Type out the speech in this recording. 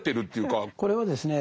これはですね